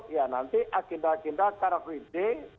ya nanti agenda agenda karavity